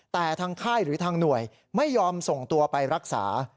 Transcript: แต่ทางค่ายหรือทางหน่วยไม่ยอมส่งตัวไปรักษา